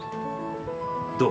どう？